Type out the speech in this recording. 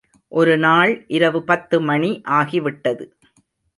ஒரு நாள் இரவு பத்து மணி ஆகிவிட்டது.